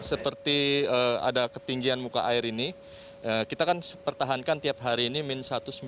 seperti ada ketinggian muka air ini kita akan pertahankan tiap hari ini min satu sembilan